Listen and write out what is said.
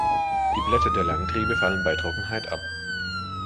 Die Blätter der Langtriebe fallen bei Trockenheit ab.